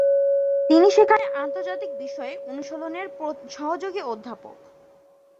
তিনি সেখানে আন্তর্জাতিক বিষয়ক অনুশীলনের সহযোগী অধ্যাপক।